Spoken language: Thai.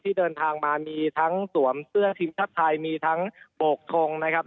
เดินทางมามีทั้งสวมเสื้อทีมชาติไทยมีทั้งโบกทงนะครับ